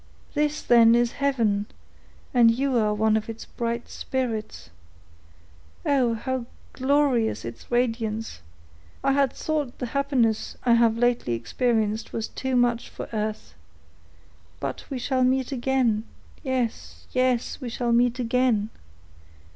"This, then, is heaven—and you are one of its bright spirits. Oh! how glorious is its radiance! I had thought the happiness I have lately experienced was too much for earth. But we shall meet again; yes—yes—we shall meet again."